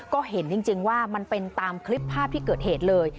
ก็เห็นจริงว่ามันเป็นตามคลิปภาพที่เกิดเหตุเลย